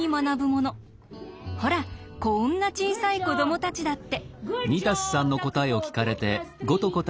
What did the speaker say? ほらこんな小さい子どもたちだって。